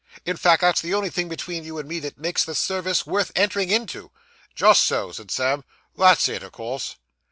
In fact, that's the only thing, between you and me, that makes the service worth entering into.' 'Just so,' said Sam. 'That's it, o' course.